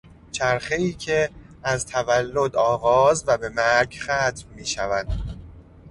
چرخهای که از تولد آغاز و به مرگ ختم میشود